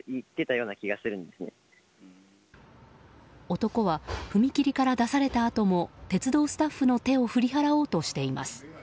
男は、踏切から出されたあとも鉄道スタッフの手を振り払おうとしています。